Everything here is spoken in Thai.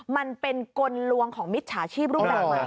มันเป็นกลลวงของมิตรชาชีพรุ่งแบบไหน